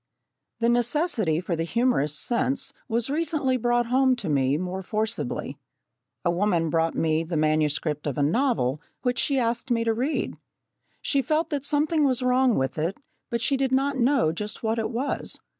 The necessity for the humourous sense was recently brought home to me most forcibly. A woman brought me the manuscript of a novel which she asked me to read. She felt that something was wrong with it, but she did not know just what it was.